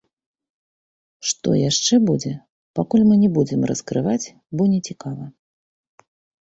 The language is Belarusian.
Што яшчэ будзе, пакуль мы не будзем раскрываць, бо не цікава.